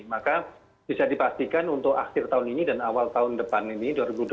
maka bisa dipastikan untuk akhir tahun ini dan awal tahun depan ini dua ribu dua puluh satu